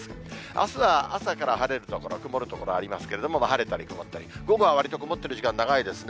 あすは朝から晴れる所、曇る所ありますけれども、晴れたり曇ったり、午後はわりと曇ってる時間長いですね。